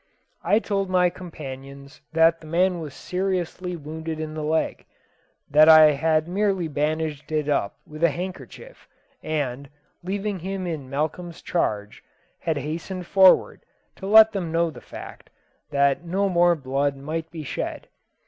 I told my companions that the man was seriously wounded in the leg; that I had merely bandaged it up with a handkerchief, and, leaving him in Malcolm's charge, had hastened forward to let them know the fact, that no more blood might be shed.